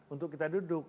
untuk kita duduk